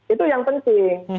itu yang penting